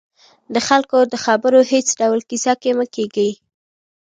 د خلکو د خبرو هېڅ ډول کیسه کې مه کېږئ